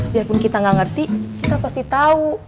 biarpun kita gak ngerti kita pasti tahu